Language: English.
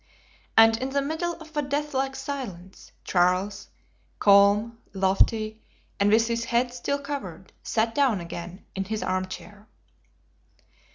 And in the middle of a deathlike silence, Charles, calm, lofty, and with his head still covered, sat down again in his arm chair.